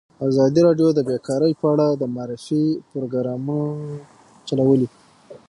ازادي راډیو د بیکاري په اړه د معارفې پروګرامونه چلولي.